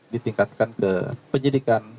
ditingkatkan ke penyidikan